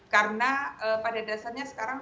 karena pada dasarnya sekarang